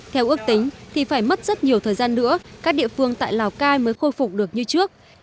theo ước tính thì phải mất rất nhiều thời gian nữa các địa phương tại lào cai mới khôi phục được như trước